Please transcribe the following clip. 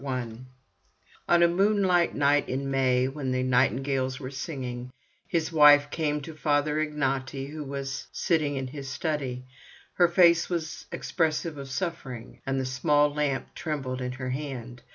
SILENCE I On a moonlight night in May, when the nightingales were singing, his wife came to Father Ignaty who was sitting in his study. Her face was expressive of suffering, and the small lamp trembled in her hand.